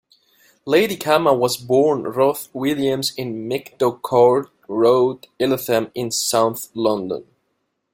Lady Khama was born Ruth Williams in Meadowcourt Road, Eltham in south London.